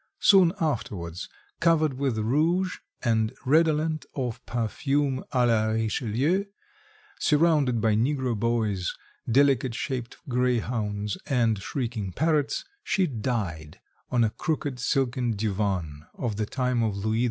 Soon afterwards, covered with rouge, and redolent of perfume à la Richelieu, surrounded by negro boys, delicate shaped greyhounds and shrieking parrots, she died on a crooked silken divan of the time of Louis XV.